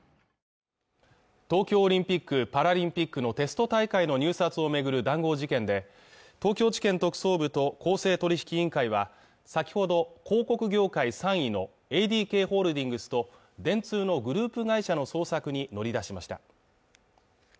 東京オリンピック・パラリンピックのテスト大会の入札を巡る談合事件で東京地検特捜部と公正取引委員会は先ほど広告業界３位のＡＤＫホールディングスと電通のグループ会社の捜索に乗り出しました